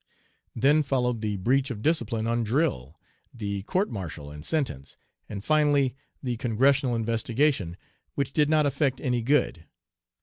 Then followed the breach of discipline on drill, the court martial and sentence, and finally the Congressional investigation, which did not effect any good.